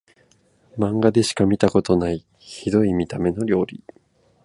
マンガでしか見たことないヒドい見た目の料理